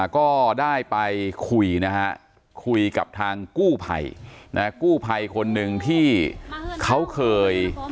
ก็ได้ไปคุยนะฮะคุยกับทางกู้ภัยนะฮะกู้ภัยคนหนึ่งที่เขาเคย